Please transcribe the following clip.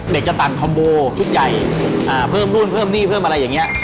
จะสั่งคอมโบชุดใหญ่เพิ่มนู่นเพิ่มหนี้เพิ่มอะไรอย่างนี้